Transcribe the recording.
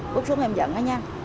bước xuống em giận á nha